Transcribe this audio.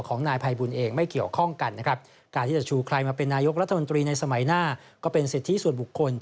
ของนายภัยบูรณ์เองไม่เกี่ยวข้องกันนะครับ